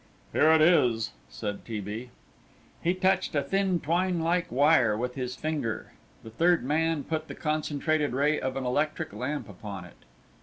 "Here it is," said T. B. He touched a thin twine like wire with his finger. The third man put the concentrated ray of an electric lamp upon it.